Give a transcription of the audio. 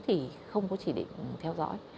thì không có chỉ định theo dõi